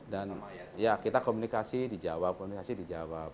dan ya kita komunikasi dijawab komunikasi dijawab